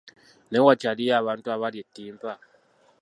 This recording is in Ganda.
Naye wakyaliyo abantu abalya ettimpa?